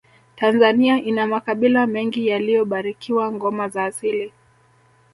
tanzania ina makabila mengi yaliyobarikiwa ngoma za asili